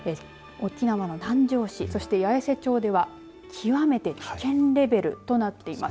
沖縄の南城市そして八重瀬町では極めて危険レベルとなっています。